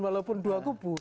walaupun dua kubu